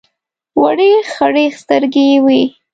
وړې خړې سترګې یې وې.